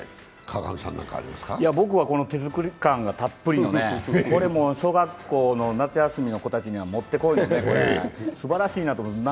僕は、この手作り感がたっぷりのね、小学校の夏休みの子たちにはもってこいですばらしいなと思います。